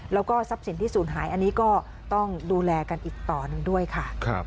แล้วก็ทรัพย์สินที่ศูนย์หายอันนี้ก็ต้องดูแลกันอีกต่อหนึ่งด้วยค่ะ